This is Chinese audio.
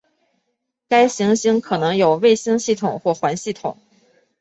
该行星可能有卫星系统或环系统。